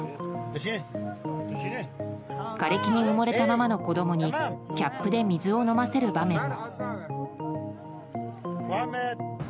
がれきに埋もれたままの子供にキャップで水を飲ませる場面も。